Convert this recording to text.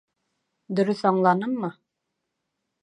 Дөрөҫ аңланыммы?